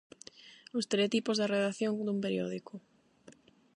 Os teletipos da redacción dun periódico.